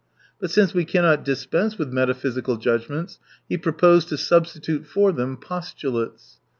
But since we cannot dispense with meta physical judgments, he proposed to substi tute for them postulates.